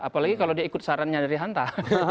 apalagi kalau dia ikut sarannya dari hanta